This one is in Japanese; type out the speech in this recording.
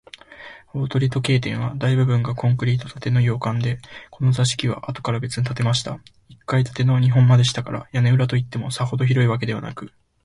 大鳥時計店は、大部分がコンクリート建ての洋館で、この座敷は、あとからべつに建てました一階建ての日本間でしたから、屋根裏といっても、さほど広いわけでなく、